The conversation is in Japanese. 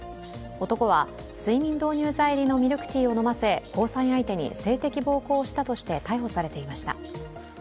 男は睡眠導入剤入りのミルクティーを飲ませ交際相手に性的暴行をしたとして逮捕されていました。